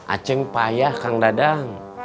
acing payah kang dadang